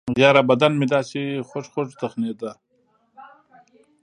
يره بدن مې دسې خوږخوږ تخنېده.